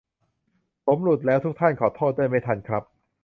ผมหลุดแล้วทุกท่าน ขอโทษด้วย ไม่ทันครับ